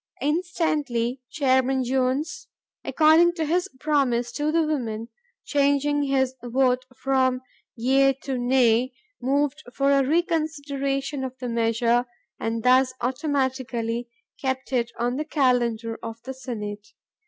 Instantly Chairman Jones, according to his promise to the women, changing his vote from "yea" to "nay," moved for a reconsideration of the measure, and thus automatically kept it on the calendar of the Senate.